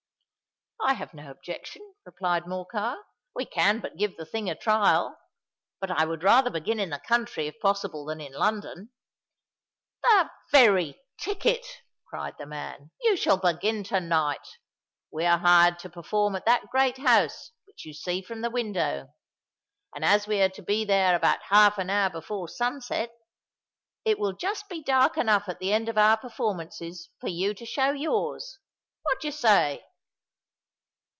"I have no objection," replied Morcar: "we can but give the thing a trial. But I would rather begin in the country, if possible, than in London." "The very ticket!" cried the man: "you shall begin to night. We're hired to perform at that great house which you see from the window; and as we are to be there about half an hour before sunset, it will just be dark enough at the end of our performances for you to show yours. What do you say?"